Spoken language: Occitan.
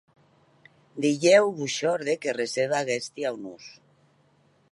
Dilhèu vos shòrde que receba aguesti aunors?